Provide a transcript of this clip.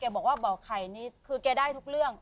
บอกว่าบ่อไข่นี่คือแกได้ทุกเรื่อง